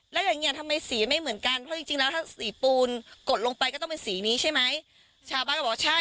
แล้วอิ๋มก็บินมา